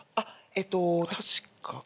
えっと確か。